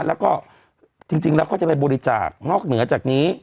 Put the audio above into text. แล้วก็จริงแล้วเขาจะไปบริจาคนอกเหนือจากนี้